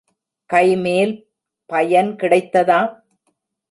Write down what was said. கைமேல் பயன் கிடைத்ததா?